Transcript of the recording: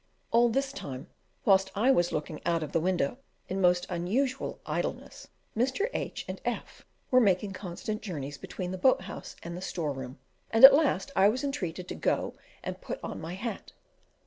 All this time, whilst I was looking out of the window in most unusual idleness, Mr. H and F were making constant journeys between the boat house and the store room, and at last I was entreated to go and put on my hat.